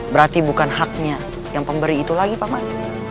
berarti bukan haknya yang pemberi itu lagi paman